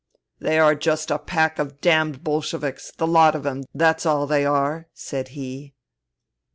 " They are just a pack of damned Bolsheviks, the lot of them, that's all they are," said he.